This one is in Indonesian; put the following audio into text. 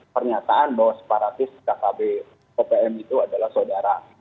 pernyataan bahwa separatis kkb opm itu adalah saudara